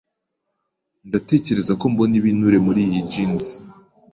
Ndatekereza ko mbona ibinure muri iyi jeans.